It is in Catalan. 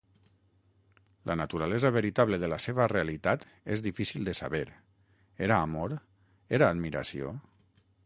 La naturalesa veritable de la seva realitat és difícil de saber: era amor, era admiració?